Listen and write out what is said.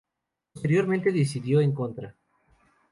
Posteriormente, decidió en contra.